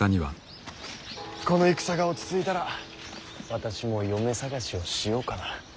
この戦が落ち着いたら私も嫁探しをしようかな。